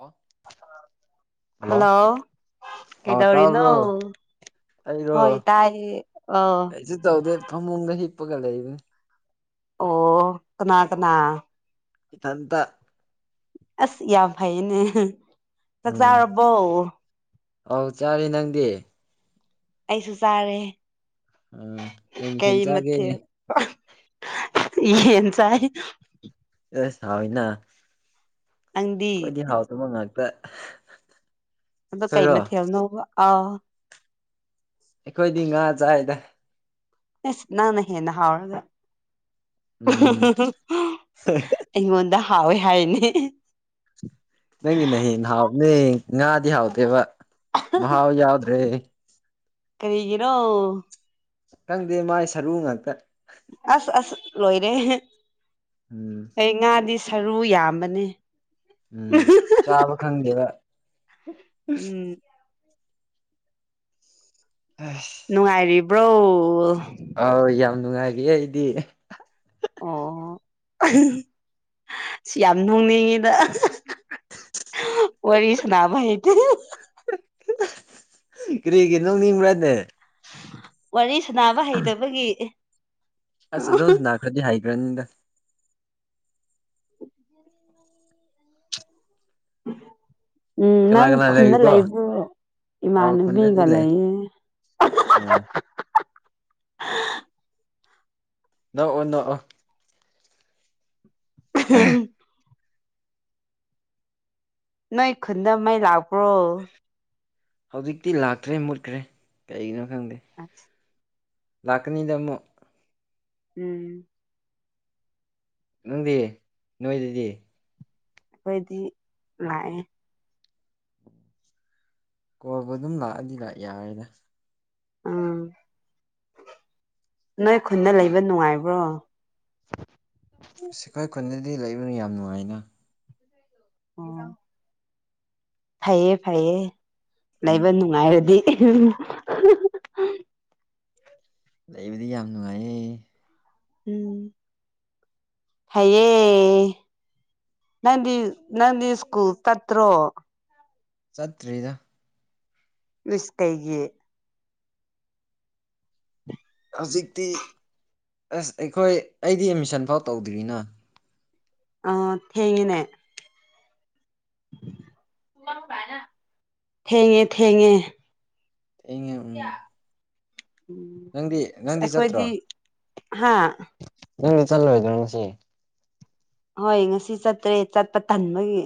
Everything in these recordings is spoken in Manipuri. ꯑꯣ ꯍꯜꯂꯣ ꯑꯣ ꯀꯩꯗꯧꯔꯤꯅꯣ ꯇꯥꯕ꯭ꯔꯣ ꯑꯩꯔꯣ ꯍꯣꯏ ꯇꯥꯏꯌꯦ ꯑꯥ ꯀꯩꯁꯨ ꯇꯧꯗꯦ ꯐꯃꯨꯡꯗ ꯍꯤꯞꯄꯒ ꯂꯩꯕꯅꯦ ꯑꯣ ꯀꯅꯥ ꯀꯅꯥ ꯏꯊꯟꯇ ꯑꯁ ꯌꯥꯝ ꯐꯩꯌꯦꯅꯦ ꯆꯥꯛ ꯎꯝ ꯆꯥꯔꯕꯣ ꯑꯧ ꯆꯥꯔꯦ ꯅꯪꯗꯤ ꯑꯩꯁꯨ ꯆꯥꯔꯦ ꯀꯩ ꯃꯊꯦꯜ ꯌꯦꯟ ꯆꯥꯏ ꯑꯦꯁ ꯍꯥꯎꯋꯤꯅ ꯅꯪꯗꯤ ꯑꯈꯣꯏꯗꯤ ꯍꯥꯎꯇꯕ ꯉꯥꯛꯇ ꯑꯗꯣ ꯀꯩ ꯈꯣꯏꯔꯣ ꯃꯊꯦꯜꯅꯣꯕ ꯑꯧ ꯑꯈꯣꯏꯗꯤ ꯉꯥ ꯆꯥꯏꯗ ꯏꯁ ꯅꯪꯅ ꯍꯦꯟꯅ ꯍꯥꯎꯔꯒ ꯎꯝ ꯑꯩꯉꯣꯟꯗ ꯍꯥꯎꯋꯦ ꯍꯥꯏꯅꯤ ꯅꯪꯒꯤꯅ ꯍꯦꯟꯅ ꯍꯥꯎꯕꯅꯦ ꯉꯥꯗꯤ ꯍꯥꯎꯇꯦꯕ ꯃꯍꯥꯎ ꯌꯥꯎꯗ꯭ꯔꯦ ꯀꯔꯤꯒꯤꯔꯣ ꯈꯪꯗꯦ ꯃꯥꯏ ꯁꯔꯨ ꯉꯥꯛꯇ ꯑꯁ ꯑꯁ ꯂꯣꯏꯔꯦ ꯎꯝ ꯍꯦ ꯉꯥꯗꯤ ꯁꯔꯨ ꯌꯥꯝꯕꯅꯦ ꯎꯝ ꯆꯥꯕ ꯈꯪꯗꯦꯕ ꯎꯝ ꯅꯨꯡꯉꯥꯏꯔꯤꯕ꯭ꯔꯣ ꯑꯥꯎ ꯌꯥꯝ ꯅꯨꯡꯉꯥꯏꯔꯤꯌꯦ ꯑꯩꯗꯤ ꯑꯣ ꯁꯤ ꯌꯥꯝ ꯅꯣꯡꯅꯤꯡꯉꯤꯗ ꯋꯥꯔꯤ ꯁꯥꯅꯕ ꯍꯩꯇꯦ ꯀꯔꯤꯒꯤ ꯅꯣꯛꯅꯤꯡꯕ꯭ꯔꯅꯦ ꯋꯥꯔꯤ ꯁꯅꯕ ꯍꯩꯇꯕꯒꯤ ꯑꯁ ꯑꯗꯨꯝ ꯁꯥꯅꯈ꯭ꯔꯗꯤ ꯍꯩꯈ꯭ꯔꯅꯤꯗ ꯎꯝ ꯀꯅꯥ ꯅꯪ ꯀꯅꯥ ꯈꯨꯟꯗ ꯂꯩꯔꯤꯕꯣ ꯂꯩꯕ꯭ꯔꯣ ꯑꯥꯎ ꯈꯨꯟꯗꯗꯤ ꯏꯃꯥꯟꯅꯕꯤꯒ ꯂꯩ ꯂꯩꯌꯦ [inaudible] ꯎꯝ ꯅꯣꯛꯑꯣ ꯅꯣꯛꯑꯣ ꯍ ꯎꯝ ꯅꯣꯏ ꯈꯨꯨꯟꯗ ꯃꯩ ꯂꯥꯛꯄ꯭ꯔꯣ ꯍꯧꯖꯤꯛꯇꯤ ꯂꯥꯛꯇ꯭ꯔꯦ ꯃꯨꯠꯈ꯭ꯔꯦ ꯀꯩꯒꯤꯅꯣ ꯈꯪꯗꯦ ꯎꯝ ꯂꯥꯛꯀꯅꯤꯗ ꯑꯃꯨꯛ ꯎꯝ ꯅꯪꯗꯤ ꯅꯣꯏꯗꯗꯤ ꯑꯈꯣꯏꯗꯤ ꯂꯥꯛꯑꯦ ꯀꯣꯜꯕꯨ ꯑꯗꯨꯝ ꯂꯥꯛꯑꯗꯤ ꯂꯥꯛ ꯌꯥꯔꯦꯗ ꯎꯝ ꯅꯣꯏ ꯈꯨꯟꯅ ꯂꯩꯕ ꯅꯨꯡꯉꯥꯏꯕ꯭ꯔꯣ ꯑꯈꯣꯏ ꯈꯨꯟꯗꯗꯤ ꯂꯩꯕꯅ ꯌꯥꯝ ꯅꯨꯡꯉꯥꯏꯅ ꯎꯝ ꯐꯩꯌꯦ ꯐꯩꯌꯦ ꯂꯩꯕ ꯎꯝ ꯅꯨꯡꯉꯥꯏꯔꯗꯤ [unintelligible] ꯂꯩꯕꯗꯤ ꯌꯥꯝ ꯅꯨꯡꯉꯥꯏꯌꯦ ꯎꯝ ꯐꯩꯌꯦ ꯅꯪꯗꯤ ꯅꯪꯗꯤ ꯁ꯭ꯀꯨꯜ ꯀꯠꯇ꯭ꯔꯣ ꯆꯠꯇ꯭ꯔꯤꯗ ꯏꯁ ꯀꯩꯒꯤ ꯍꯧꯖꯤꯛꯇꯤ ꯑꯁ ꯑꯈꯣꯏ ꯑꯩꯗꯤ ꯑꯦꯠꯃꯤꯁꯟ ꯐꯥꯎ ꯇꯧꯗ꯭ꯔꯤꯅ ꯑꯣ ꯊꯦꯡꯉꯤꯅꯦ ꯊꯦꯡꯉꯦ ꯊꯦꯡꯉꯦ ꯑꯩꯅ ꯎꯝ ꯌꯥ ꯅꯪꯗꯤ ꯅꯪꯗꯤ ꯆꯠꯇ꯭ꯔꯣ ꯍꯥꯥ ꯅꯪꯗꯤ ꯆꯠꯂꯣꯏꯗ꯭ꯔꯣ ꯉꯁꯤ ꯍꯣꯏ ꯉꯁꯤ ꯆꯠꯇ꯭ꯔꯦ ꯆꯠꯄ ꯇꯟꯕꯒꯤ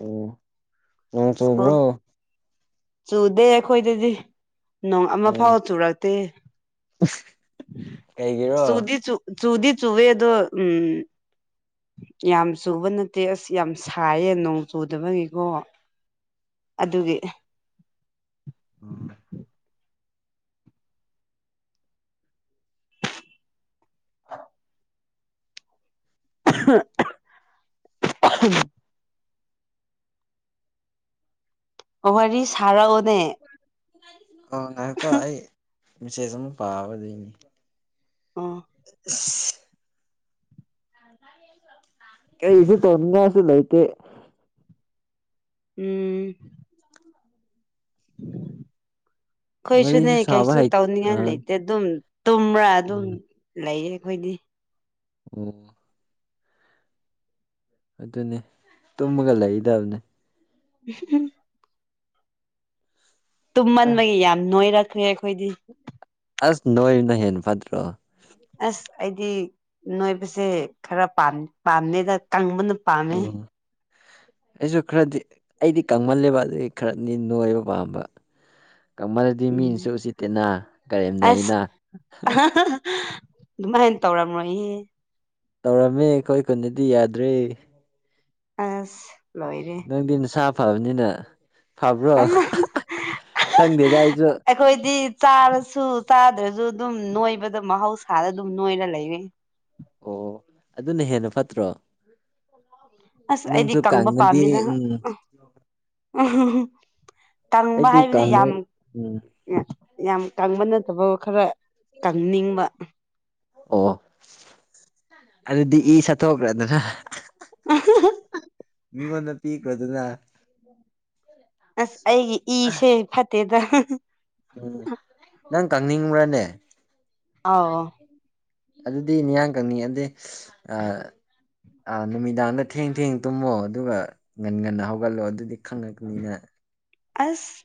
ꯑꯣ ꯅꯣꯡ ꯁ꯭ꯀꯨꯜ ꯆꯕ꯭ꯔꯣ ꯆꯨꯗꯦ ꯑꯈꯣꯏ ꯗꯗꯤ ꯅꯣꯡ ꯑꯃ ꯎꯝ ꯐꯥꯎ ꯆꯨꯔꯛꯇꯦ ꯀꯩꯒꯤꯔꯣ ꯆꯨꯗꯤ ꯆꯨ ꯆꯨꯗꯤ ꯆꯨꯋꯦꯗꯣ ꯎꯝ ꯌꯥꯝ ꯆꯨꯕ ꯅꯠꯇꯦ ꯑꯁ ꯌꯥꯝ ꯁꯥꯏꯌꯦ ꯅꯣꯡ ꯆꯨꯗꯕꯒꯤꯀꯣ ꯑꯗꯨꯒꯤ ꯎꯝ [inaudible] ꯋꯥꯔꯤ ꯁꯥꯔꯛꯑꯣꯅꯦ ꯑꯥ ꯉꯥꯏꯌꯨꯀꯣ ꯑꯩ ꯃꯦꯁꯦꯖ ꯑꯃ ꯄꯥꯕꯗꯨꯏꯅꯤ ꯑꯣ ꯏꯁ ꯀꯔꯤꯁꯨ ꯇꯧꯅꯤꯡꯉꯏꯁꯨ ꯂꯩ ꯇꯦ ꯎꯝ ꯈꯣꯏꯁꯨꯅꯦ ꯋꯥꯔꯤꯁꯨ ꯁꯥꯕ ꯀꯩꯁꯨ ꯍꯩ ꯑ ꯇꯧꯅꯤꯡꯉꯏ ꯂꯩꯇꯦ ꯑꯗꯨꯝ ꯇꯨꯝꯕ꯭ꯔꯥ ꯑꯗꯨꯝ ꯂꯩꯌꯦ ꯑꯈꯣꯏꯗꯤ ꯎꯝ ꯑꯗꯨꯅꯦ ꯇꯨꯝꯃꯒ ꯂꯩꯗꯕꯅꯦ [inaudible] ꯇꯨꯝꯃꯟꯕꯒꯤ ꯌꯥꯝ ꯅꯣꯏꯔꯛꯈ꯭ꯔꯦ ꯑꯈꯣꯏꯗꯤ ꯑꯁ ꯅꯣꯏꯕꯅ ꯍꯦꯟꯅ ꯐꯠꯇ꯭ꯔꯣ ꯑꯁ ꯑꯩꯗꯤ ꯅꯣꯏꯕꯁꯦ ꯈꯔ ꯄꯥꯝꯃꯦꯗ ꯀꯪꯕꯅ ꯄꯥꯝꯃꯦ ꯎꯝ [inaudible] ꯑꯩꯁꯨ ꯈꯔꯗꯤ ꯑꯩꯗꯤ ꯀꯪꯃꯜꯂꯦꯕ ꯑꯗꯨꯏ ꯈꯔꯅꯤ ꯅꯣꯏꯕ ꯄꯥꯝꯕ ꯀꯪꯃꯜꯂꯗꯤ ꯃꯤꯅꯁꯨ ꯎꯝ ꯎꯁꯤꯠꯇꯦꯅ ꯑꯁ ꯀꯔꯦꯝꯅꯩꯅ ꯑꯗꯨꯃꯥꯏꯅ ꯇꯧꯔꯝ꯭ꯔꯣꯏꯌꯦ ꯇꯧꯔꯝꯃꯦ ꯑꯈꯣꯏ ꯈꯨꯟꯗꯗꯤ ꯌꯥꯗ꯭ꯔꯦ ꯑꯁ ꯂꯣꯏꯔꯦ ꯅꯪꯗꯤ ꯅꯁꯥ ꯐꯕꯅꯤꯅ ꯐꯕ꯭ꯔꯣ ꯈꯪꯗꯦꯗ ꯑꯩꯁꯨ ꯑꯩꯈꯣꯏꯗꯤ ꯆꯥꯔꯁꯨ ꯆꯥꯗ꯭ꯔꯁꯨ ꯑꯗꯨꯝ ꯅꯣꯏꯕꯗ ꯃꯍꯧꯁꯥꯗ ꯑꯗꯨꯝ ꯅꯣꯏꯔ ꯂꯩꯔꯦ ꯑꯣ ꯑꯗꯨꯅ ꯍꯦꯟꯅ ꯐꯠꯇ꯭ꯔꯣ ꯑꯁ ꯑꯩꯗꯤ ꯅꯪꯁꯨ ꯀꯪꯕ ꯄꯥꯝꯃꯤꯅ ꯀꯪꯉꯗꯤ ꯎꯝ ꯑꯍꯨꯡ ꯍꯨ ꯀꯪꯕ ꯑꯩꯗꯤ ꯍꯥꯏꯕꯗꯤ ꯌꯥꯝ ꯀꯪꯉꯣꯏ ꯎꯝ ꯌꯥꯝ ꯀꯪꯕ ꯅꯠꯇꯕ ꯈꯔ ꯀꯪꯅꯤꯡꯕ ꯑꯣ ꯑꯗꯨꯗꯤ ꯏ ꯆꯠꯊꯣꯛꯈ꯭ꯔꯗꯅ ꯃꯤꯉꯣꯟꯗ ꯄꯤꯈ꯭ꯔ ꯑꯗꯨꯅ ꯑꯁ ꯑꯩꯒꯤ ꯏꯁꯦ ꯐꯠꯇꯦꯗ ꯎꯝ ꯅꯪ ꯀꯪꯅꯤꯡꯕ꯭ꯔꯅꯦ ꯑꯧ ꯑꯗꯨꯗꯤ ꯃꯤꯌꯥꯡ ꯀꯛꯅꯤꯡꯉꯥꯗꯤ ꯑ ꯑꯥ ꯅꯨꯃꯤꯗꯥꯡꯗ ꯊꯦꯡ ꯊꯦꯡ ꯇꯨꯝꯃꯣ ꯑꯗꯨꯒ ꯉꯟ ꯉꯟꯅ ꯍꯧꯒꯠꯂꯣ ꯑꯗꯨꯗꯤ ꯈꯪꯉꯛꯄꯅꯤꯅ ꯑꯁ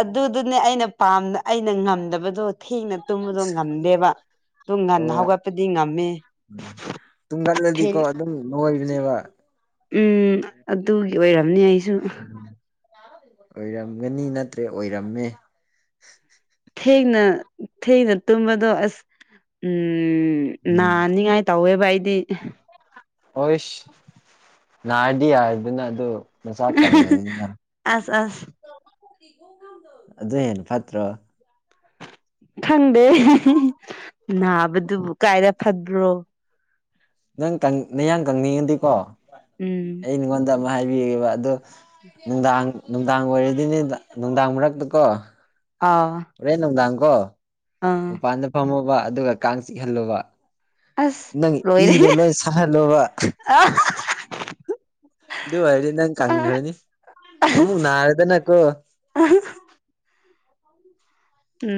ꯑꯗꯨꯗꯨꯅꯦ ꯑꯩꯅ ꯄꯥꯝ ꯑꯩꯅ ꯉꯝꯗꯕꯗꯣ ꯊꯦꯡꯅ ꯇꯨꯝꯕꯗꯣ ꯉꯝꯗꯦꯕ ꯑꯗꯨꯝ ꯉꯟꯅ ꯍꯧꯒꯠꯄꯗꯤ ꯉꯝꯃꯦ ꯇꯨꯡꯒꯠꯂꯗꯤꯀꯣ ꯊꯦꯡ ꯑꯗꯨꯝ ꯅꯣꯏꯕꯅꯦꯕ ꯎꯝ ꯑꯗꯨꯒꯤ ꯑꯣꯏꯔꯝꯅꯤ ꯑꯩꯁꯨ ꯑꯣꯏꯔꯝꯒꯅꯤ ꯅꯠꯇ꯭ꯔꯦ ꯑꯣꯏꯔꯝꯃꯦ ꯊꯦꯡꯅ ꯊꯦꯡꯅ ꯇꯨꯝꯝꯕꯗꯣ ꯑꯁ ꯎꯝ ꯎꯝ ꯅꯥꯅꯤꯉꯥꯏ ꯇꯧꯋꯦꯕ ꯑꯩꯗꯤ ꯍꯣꯏꯁ ꯅꯥꯔꯗꯤ ꯌꯥꯔꯦꯗꯅ ꯑꯗꯨ ꯃꯁꯥ ꯀꯩꯉꯅꯤꯅ ꯑꯁ ꯑꯁ ꯑꯗꯨ ꯑꯗꯨ ꯍꯦꯟꯅ ꯐꯠꯇ꯭ꯔꯣ ꯈꯪꯗꯦ ꯅꯥꯕꯗꯨꯕꯨ ꯀꯥꯏꯗ ꯐꯕ꯭ꯔꯣ ꯅꯪ ꯅꯌꯥꯡ ꯀꯪꯅꯤꯡꯉꯗꯤꯀꯣ ꯎꯝ ꯑꯩꯉꯣꯟꯗ ꯑꯃ ꯍꯥꯏꯕꯤꯒꯦꯕ ꯑꯗꯣ ꯅꯨꯡꯗꯥꯡ ꯅꯨꯡꯗꯥꯡ ꯑꯣꯏꯔꯗꯤꯅꯦꯗ ꯅꯨꯡꯗꯥꯡ ꯃꯔꯛꯇꯀꯣ ꯑꯥꯎ ꯍꯣꯔꯦꯟ ꯅꯨꯡꯗꯥꯡ ꯀꯣ ꯑꯥ ꯃꯄꯥꯟꯗ ꯐꯝꯃꯣꯕ ꯑꯗꯨꯒ ꯀꯥꯡ ꯆꯤꯛꯍꯜꯂꯨꯕ ꯑꯁ ꯅꯪ ꯂꯣꯏꯔꯦ ꯏꯗꯣ ꯂꯣꯏ ꯁꯥꯍꯜꯂꯣꯕ ꯑꯁ ꯑꯗꯨ ꯑꯣꯏꯔꯗꯤ ꯅꯪ ꯀꯪꯒꯅꯤ ꯑꯃꯨꯛ ꯅꯔꯦꯗꯅꯀꯣ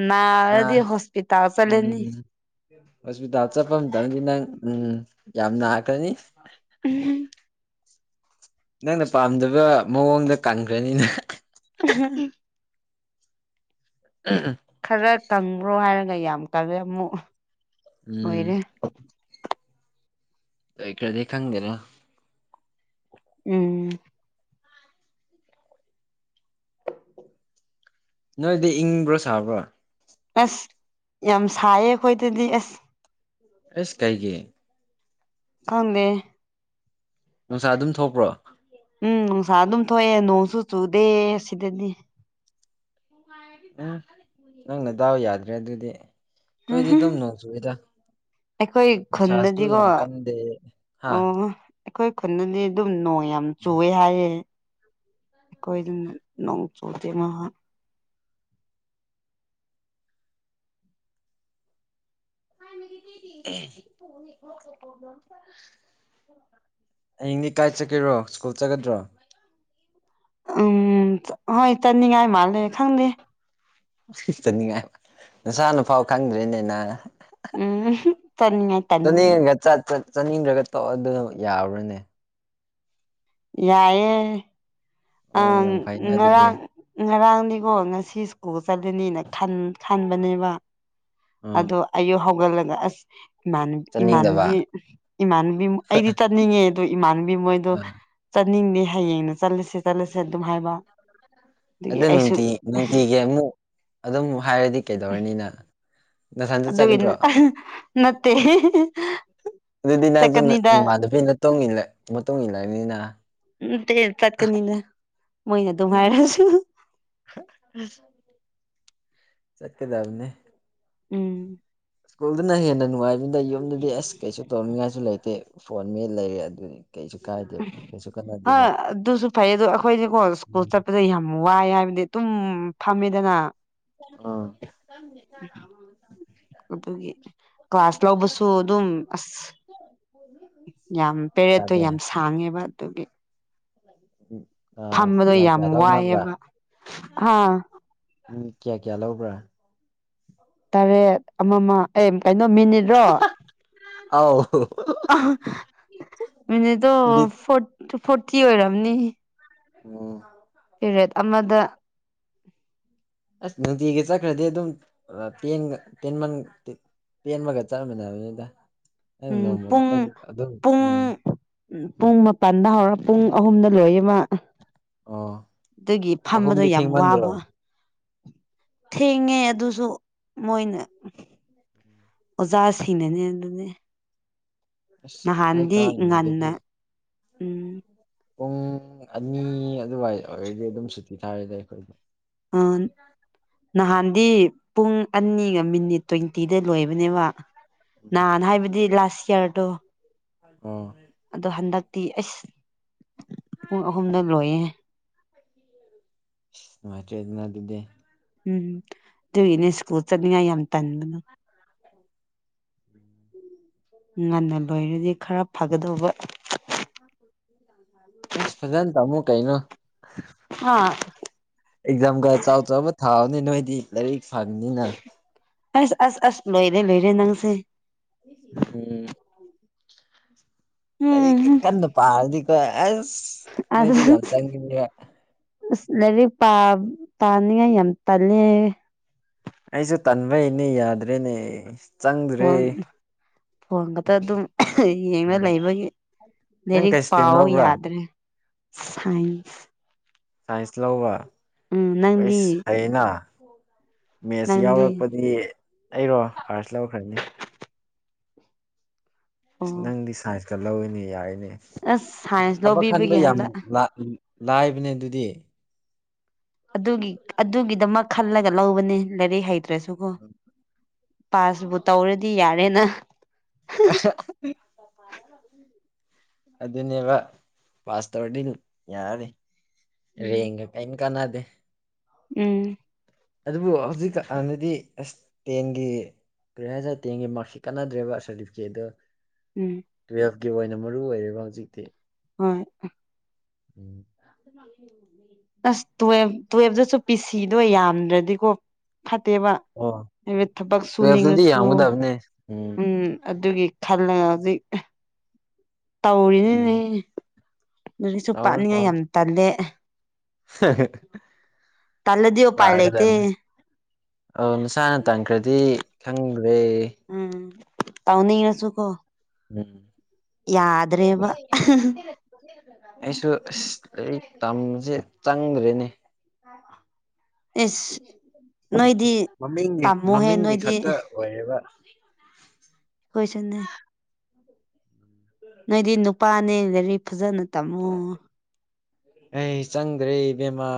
ꯅꯥꯔꯗꯤ ꯍꯣꯁꯄꯤꯇꯥꯜ ꯆꯠꯂꯅꯤ ꯎꯝ ꯍꯣꯁꯄꯤꯇꯥꯜ ꯆꯠꯄ ꯃꯇꯝꯇꯗꯤ ꯅꯪ ꯎꯝ ꯌꯥꯝ ꯅꯥꯔꯛꯀꯅꯤ ꯅꯪꯅ ꯄꯥꯝꯖꯕ ꯃꯑꯣꯡꯗ ꯀꯟꯈ꯭ꯔꯅꯤꯅ ꯑ ꯍ [unintelligible] ꯈꯔ ꯀꯪꯕ꯭ꯔꯣ ꯍꯥꯏꯔꯒ ꯌꯥꯝ ꯀꯪꯉꯦ ꯑꯃꯨꯛ ꯎꯝ ꯂꯣꯏꯔꯦ ꯂꯣꯏꯈꯔꯗꯤ ꯈꯪꯗꯦꯅ ꯎꯝ ꯅꯣꯏꯗꯤ ꯏꯪꯕ꯭ꯔꯣ ꯁꯥꯕ꯭ꯔꯣ ꯑꯁ ꯌꯥꯝ ꯁꯥꯏꯌꯦ ꯑꯈꯣꯏꯗꯗꯤ ꯑꯁ ꯑꯁ ꯀꯩꯒꯤ ꯈꯪꯗꯦ ꯅꯨꯡꯁꯥ ꯑꯗꯨꯝ ꯊꯣꯛꯄ꯭ꯔꯣ ꯎꯝ ꯅꯨꯡꯁꯥ ꯑꯗꯨꯝ ꯊꯣꯛꯑꯦ ꯅꯣꯡꯁꯨ ꯆꯨꯗꯦ ꯑꯁꯤꯗꯗꯤ ꯎꯝ ꯅꯪ ꯅꯗꯥꯎ ꯌꯥꯗ꯭ꯔꯦ ꯑꯗꯨꯗꯤ ꯑꯩꯈꯣꯏꯗꯤ ꯑꯗꯨꯝ ꯅꯣꯡ ꯆꯨꯌꯦꯗ ꯑꯈꯣꯏ ꯈꯨꯟꯗꯗꯤꯀꯣ ꯍꯥ ꯑꯣ ꯑꯈꯣꯏ ꯈꯨꯗꯗꯤ ꯑꯗꯨꯝ ꯅꯣꯡ ꯌꯥꯝ ꯆꯨꯑꯦ ꯍꯥꯏꯌꯦ ꯀꯣꯏꯗꯅ ꯅꯣꯡ ꯆꯨꯗ ꯃꯥ [inaudible] ꯍꯌꯦꯡꯗꯤ ꯀꯥꯏ ꯆꯠꯀꯦꯔꯣ ꯁ꯭ꯀꯨꯜ ꯆꯠꯀꯗ꯭ꯔꯣ ꯎꯝ ꯍꯣꯏ ꯆꯅꯤꯡꯉꯥꯏ ꯃꯥꯜꯂꯦ ꯈꯪꯗꯦ ꯆꯠꯅꯤꯡꯉꯥꯏ ꯅꯁꯥꯅꯐꯥꯎ ꯈꯪꯗ꯭ꯔꯤꯅꯦꯅ ꯎꯝ ꯆꯠꯅꯤꯡꯉꯥꯏ ꯇꯟꯕꯒꯤ ꯆꯠꯅꯤꯡꯉꯒ ꯆꯠꯄ ꯆꯥꯅꯤꯡꯗ꯭ꯔꯒ ꯇꯧꯑ ꯑꯗꯨ ꯌꯥꯕ꯭ꯔꯅꯦ ꯌꯥꯏꯑꯦ ꯑꯣ ꯑꯥ ꯌꯥꯝ ꯐꯩꯅ ꯑꯗꯨꯗꯤ ꯉꯔꯥꯡ ꯉꯔꯥꯡꯗꯤꯀꯣ ꯉꯁꯤ ꯁ꯭ꯀꯨꯜ ꯆꯠꯂꯅꯤꯅ ꯈꯟ ꯈꯟꯕꯅꯦꯕ ꯎꯝ ꯑꯗꯨ ꯑꯌꯨꯛ ꯍꯧꯒꯠꯂꯒ ꯑꯁ ꯃꯥꯟꯅꯦ ꯆꯠꯅꯤꯡꯗꯕ ꯏꯃꯥꯟꯅꯕꯤ ꯏꯃꯥꯟꯅꯕꯤ ꯑꯩꯗꯤ ꯆꯠꯅꯤꯡꯉꯦ ꯑꯗꯣ ꯏꯃꯥꯟꯅꯕꯤ ꯃꯣꯏꯗꯣ ꯑꯥ ꯆꯠꯅꯤꯡꯗꯦ ꯍꯌꯦꯡꯅ ꯆꯠꯂꯁꯦ ꯆꯠꯂꯁꯦ ꯑꯗꯨꯝ ꯍꯥꯏꯕ ꯑꯗꯨꯒꯤ ꯑꯗꯨ ꯑꯩꯁꯨ ꯅꯨꯡꯇꯤ ꯅꯨꯡꯇꯤꯒꯤ ꯑꯃꯨꯛ ꯑꯗꯨꯝ ꯍꯥꯏꯔꯗꯤ ꯀꯩꯗꯧꯔꯅꯤ ꯅꯪ ꯅꯊꯟꯇ ꯑꯗꯨꯒꯤ ꯆꯠꯀꯗ꯭ꯔꯣ ꯅꯠꯇꯦ ꯑꯗꯨꯗꯤ ꯅꯪꯁꯨ ꯆꯠꯀꯅꯤꯗ ꯅꯃꯥꯅꯕꯤꯅ ꯃꯇꯨꯡ ꯏꯜꯂꯦ ꯃꯇꯨꯡ ꯏꯂꯕꯅꯤꯅ ꯎꯝ ꯇꯦ ꯆꯠꯀꯅꯤꯗ ꯃꯣꯏꯅ ꯑꯗꯨ ꯎꯝ ꯍꯥꯏꯔꯁꯨ ꯆꯠꯀꯗꯕꯅꯦ ꯎꯝ ꯁ꯭ꯀꯨꯜꯗꯅ ꯍꯦꯟꯅ ꯅꯨꯡꯉꯥꯏꯕꯅꯤꯗ ꯌꯨꯝꯗꯗꯤ ꯑꯁ ꯀꯩꯁꯨ ꯇꯧꯅꯤꯡꯉꯥꯏꯁꯨ ꯂꯩꯇꯦ ꯐꯣꯟ ꯃꯦꯠ ꯂꯩꯔꯦ ꯑꯗꯨꯅꯤ ꯀꯩꯁꯨ ꯀꯥꯏꯗꯦꯕ ꯀꯩꯁꯨ ꯀꯥꯟꯅꯗꯦꯕ ꯑꯥ ꯑꯗꯨꯁꯨ ꯐꯩ ꯑꯗꯨ ꯑꯈꯣꯏꯗꯤꯀꯣ ꯁ꯭ꯀꯨꯜ ꯆꯠꯄꯗ ꯌꯥꯝ ꯋꯥꯏ ꯍꯥꯏ ꯑꯗꯨꯝ ꯐꯝꯃꯦꯗꯅ ꯑꯥ ꯑꯗꯨꯒꯤ ꯀ꯭ꯂꯥꯁ ꯂꯧꯕꯁꯨ ꯑꯗꯨꯝ ꯑꯁ ꯌꯥꯝ ꯄꯦꯔꯦꯠꯇꯣ ꯌꯥꯗꯦ ꯌꯥꯝ ꯁꯥꯡꯉꯦꯕ ꯑꯗꯨꯒꯤ ꯎꯝ ꯑꯥ ꯐꯝꯕꯗꯣ ꯀꯌꯥ ꯌꯥꯝ ꯀꯌꯥ ꯂꯧꯅꯕ꯭ꯔꯥ ꯋꯥꯏꯑꯦꯕ ꯍꯥꯥ ꯎꯝ ꯀꯌꯥ ꯀꯌꯥ ꯂꯧꯕ꯭ꯔꯥ ꯇꯔꯦꯠ ꯑꯃꯃ ꯑꯦ ꯀꯩꯅꯣ ꯃꯤꯅꯤꯠꯔꯣ ꯑꯥꯎ ꯃꯅꯤꯠꯇꯣ ꯅꯤꯠ ꯐꯣꯔꯇꯤ ꯐꯣꯔꯇꯤ ꯑꯣꯏꯔꯝꯅꯤ ꯑꯣ ꯄꯦꯔꯦꯠ ꯑꯃꯗ ꯑꯁ ꯅꯨꯡꯇꯤꯒꯤ ꯆꯠꯈ꯭ꯔꯗꯤ ꯑꯗꯨꯝ ꯇꯦꯟ ꯇꯦꯟꯃꯟ ꯇꯦꯟꯕꯒ ꯆꯠꯃꯤꯟꯅꯕꯅꯤꯗ ꯑꯩꯅ ꯎꯝ ꯅꯣꯡꯃ ꯄꯨꯡ ꯈꯛꯇꯪ ꯑꯗꯨꯝ ꯄꯨꯡ ꯎꯝ ꯄꯨꯡ ꯃꯥꯄꯜꯗ ꯍꯧꯔ ꯄꯨꯡ ꯑꯍꯨꯝꯗ ꯂꯣꯏꯌꯦꯕ ꯑꯣ ꯑꯗꯨꯒꯤ ꯐꯝꯕꯗꯣ ꯑꯍꯨꯝꯗꯤ ꯌꯥꯝ ꯊꯦꯡꯃꯟꯗ꯭ꯔꯣ ꯋꯥꯕ ꯊꯦꯡꯉꯦ ꯑꯗꯨꯁꯨ ꯃꯣꯏꯅ ꯑꯣꯖꯥꯁꯤꯡꯅꯅꯦ ꯑꯗꯨꯅꯦ ꯑꯁ ꯑꯈꯣꯏ ꯅꯍꯥꯟꯗꯤ ꯀꯥꯔꯤꯉꯩꯗꯗꯤ ꯉꯟꯅ ꯎꯝ ꯄꯨꯡ ꯑꯅꯤ ꯑꯗꯨꯋꯥꯏ ꯑꯣꯏꯔꯗꯤ ꯑꯗꯨꯝ ꯁꯨꯇꯤ ꯊꯥꯔꯦꯗ ꯑꯈꯣꯏꯗꯤ ꯑꯥ ꯅꯍꯥꯟ ꯗꯤ ꯄꯨꯡ ꯑꯅꯤꯒ ꯃꯤꯅꯤꯠ ꯇ꯭ꯋꯦꯟꯇꯤꯗ ꯂꯣꯏꯕꯅꯦꯕ ꯅꯍꯥꯟ ꯍꯥꯏꯕꯗꯤ ꯂꯥꯁ ꯁ꯭ꯌꯥꯔꯗꯣ ꯑꯣ ꯇꯤ ꯑꯩꯁ ꯄꯨꯡ ꯑꯍꯨꯝꯗ ꯂꯣꯏꯌꯦ ꯅꯨꯉꯥꯏꯇ꯭ꯔꯦꯗꯅ ꯑꯗꯨꯗꯤ ꯎꯝ ꯑꯗꯨꯒꯤꯅꯦ ꯁ꯭ꯀꯨꯜ ꯆꯠꯅꯤꯉꯥꯏ ꯌꯥꯝ ꯇꯟꯕ ꯉꯟꯅ ꯂꯣꯏꯔꯗꯤ ꯈꯔ ꯐꯒꯗꯧꯕ ꯑꯁ ꯐꯖꯅ ꯇꯝꯃꯨ ꯀꯩꯅꯣ ꯍꯥ ꯑꯦꯛꯖꯥꯝꯒ ꯆꯥꯎ ꯆꯥꯎꯕ ꯊꯥꯎꯅꯦ ꯅꯣꯏꯗꯤ ꯂꯥꯏꯔꯤꯛ ꯐꯥꯕꯅꯤꯅ ꯑꯁ ꯑꯁ ꯑꯁ ꯂꯣꯏꯔꯦ ꯂꯣꯏꯔꯦ ꯅꯪꯁꯦ ꯂꯥꯏꯔꯤꯛ ꯎꯝ ꯀꯟꯅ ꯄꯥꯔꯗꯤꯀꯣ ꯑꯁ ꯅꯣꯏꯗꯤ ꯑꯁ ꯌꯥꯝ ꯆꯪꯅꯤꯡꯕ ꯑꯁ ꯂꯩꯥꯔꯤꯛ ꯄꯥ ꯄꯥꯅꯤꯡꯉꯥꯏ ꯌꯥꯝ ꯇꯜꯂꯦ ꯑꯩꯁꯨ ꯇꯟꯕꯩꯅꯦ ꯌꯥꯗ꯭ꯔꯦꯅꯦ ꯆꯪꯗ꯭ꯔꯦ ꯐꯣꯟ ꯐꯣꯟ ꯈꯛꯇ ꯑꯗꯨꯝ ꯌꯦꯡꯅ ꯂꯩꯕꯒꯤ ꯅꯪ ꯂꯩꯔꯤꯛ ꯀꯩ ꯏꯁꯇ꯭ꯔꯤꯝ ꯄꯥꯎꯑꯣ ꯂꯧꯕ꯭ꯔꯥ ꯌꯥꯗ꯭ꯔꯦ ꯁꯥꯏꯟꯁ ꯁꯥꯏꯟꯁ ꯂꯧꯕ ꯎꯝ ꯅꯪꯗꯤ ꯑꯩꯁ ꯍꯩꯅ ꯃꯦꯠꯁ ꯅꯪꯗꯤ ꯌꯥꯎꯔꯛꯄꯗꯤ ꯑꯩꯔꯣ ꯑꯥꯔꯁ ꯂꯧꯈ꯭ꯔꯅꯤ ꯑꯁ ꯑꯣ ꯅꯪꯗꯤ ꯁꯥꯏꯟꯁꯀ ꯂꯧꯏꯅꯦ ꯌꯥꯔꯤꯅꯦ ꯑꯁ ꯁꯥꯏꯟꯁ ꯊꯕꯛ ꯈꯟꯕ ꯂꯧꯕꯤꯕꯒꯤ ꯌꯥꯝ ꯍꯟꯗꯛ ꯂꯥꯏꯕꯅꯦ ꯑꯗꯨꯗꯤ ꯑꯗꯨꯒꯤ ꯑꯗꯨꯒꯤꯗꯃꯛ ꯈꯜꯂꯒ ꯂꯧꯕꯅꯦ ꯂꯥꯏꯔꯤꯛ ꯍꯩꯇ ꯇ꯭ꯔꯁꯨꯀꯣ ꯄꯥꯁꯕꯨ ꯇꯧꯔꯗꯤ ꯌꯥꯔꯦꯅ ꯑꯍ ꯑꯗꯨꯅꯦꯕ ꯄꯥꯁ ꯇꯧꯔꯗꯤ ꯗꯨꯝ ꯌꯥꯔꯅꯤ ꯎꯝ ꯔꯦꯡꯒ ꯀꯩꯝ ꯀꯥꯟꯅꯥꯗꯦ ꯎꯝ ꯑꯗꯨꯕꯨ ꯍꯧꯖꯤꯛ ꯀꯥꯟꯗꯗꯤ ꯑꯁ ꯇꯦꯟꯒꯤ ꯨꯀꯔꯤ ꯍꯥꯢꯁꯤꯔ ꯇꯦꯟꯒꯤ ꯃꯥ꯭ꯔꯛꯁꯤꯠꯇꯣ ꯀꯥꯟꯅꯗ꯭ꯔꯦꯕ ꯁꯥꯔꯐꯤꯀꯦꯠꯗꯣ ꯎꯝ ꯒꯤ ꯑꯣꯏꯅ ꯃꯔꯨ ꯑꯣꯏꯔꯦꯕ ꯍꯧꯖꯤꯛꯇꯤ ꯍꯣꯏ ꯎꯝ ꯑꯁ ꯇꯨꯌꯦꯞ ꯇꯨꯌꯦꯜꯐꯇꯁꯨ ꯄꯤꯁꯤꯗꯣ ꯌꯥꯝꯗ꯭ꯔꯗꯤꯀꯣ ꯐꯠꯇꯦꯕ ꯑꯣ ꯍꯥꯏꯕ ꯊꯕꯛ ꯇꯨꯌꯦꯜꯐꯇꯗꯤ ꯁꯨꯅꯤꯡꯉꯁꯨ ꯌꯥꯝꯒꯗꯕꯅꯦ ꯎꯝ ꯑꯗꯨꯒꯤ ꯈꯜꯂꯒ ꯍꯧꯖꯤꯛ ꯎꯝ ꯇꯧꯔꯤꯅꯤꯅꯦ ꯂꯔꯤꯛꯁꯨ ꯄꯥꯅꯤꯡꯉꯥꯏ ꯌꯥꯝ ꯇꯜꯂꯦ ꯍꯍ ꯇꯜꯂꯗꯤ ꯎꯄꯥꯏ ꯂꯩꯇꯦ ꯑ ꯅꯁꯥꯅ ꯇꯟꯈ꯭ꯔꯗꯤ ꯈꯪ ꯎꯝ ꯇꯥꯎꯅꯤꯡꯔꯁꯨ ꯀꯣ ꯎꯝ [unintelligible] ꯑꯩꯁꯨ ꯑꯁ ꯂꯩꯔꯤꯛ ꯇꯝꯖꯦ ꯆꯪꯗ꯭ꯔꯦꯅꯦ ꯏꯁ ꯅꯣꯏꯗꯤ ꯃꯃꯤꯡꯒꯤ ꯇꯝꯃꯣꯍꯦ ꯃꯃꯤꯡꯒꯤ ꯅꯣꯏꯗꯤ ꯈꯛꯇ ꯑꯣꯏꯔꯦꯕ [unintelligible] ꯍꯣꯏꯁꯟꯅꯦ ꯅꯣꯏꯗꯤ ꯅꯨꯄꯥꯅꯦ ꯂꯩꯔꯤꯛ ꯐꯖꯅ ꯇꯝꯃꯣ ꯑꯩ ꯆꯪꯗ꯭ꯔꯦ ꯏꯕꯦꯝꯃꯥ